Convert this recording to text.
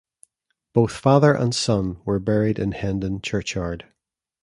Both father and son were buried in Hendon churchyard.